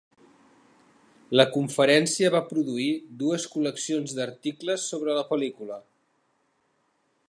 La conferència va produir dues col·leccions d'articles sobre la pel·lícula.